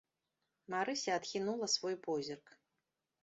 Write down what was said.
Марыся адхінула свой позірк.